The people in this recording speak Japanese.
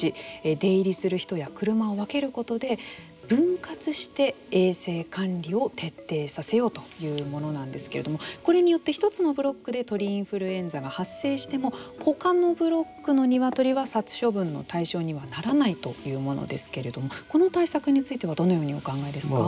出入りする人や車を分けることで分割して衛生管理を徹底させようというものなんですけれどもこれによって、１つのブロックで鳥インフルエンザが発生しても他のブロックのニワトリは殺処分の対象にはならないというものですけれどもこの対策についてはどのようにお考えですか。